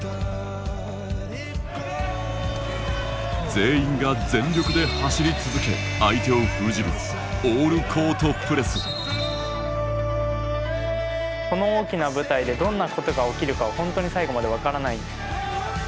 全員が全力で走り続け相手を封じるこの大きな舞台でどんなことが起きるかは本当に最後まで分からない。